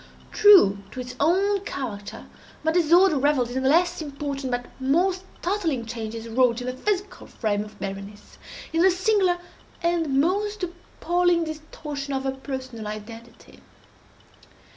True to its own character, my disorder revelled in the less important but more startling changes wrought in the physical frame of Berenice—in the singular and most appalling distortion of her personal identity.